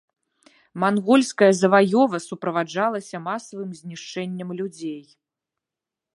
Мангольская заваёва суправаджалася масавым знішчэннем людзей.